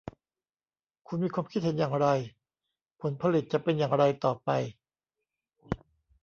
คุณมีความคิดเห็นอย่างไร ผลผลิตจะเป็นอย่างไรต่อไป